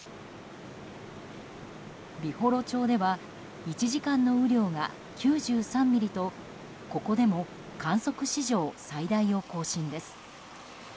美幌町では１時間の雨量が９３ミリとここでも観測史上最大を更新です。